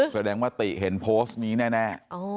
แสดงว่าติเห็นโพสต์นี้แน่